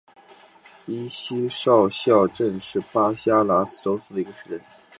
伊西多鲁少校镇是巴西阿拉戈斯州的一个市镇。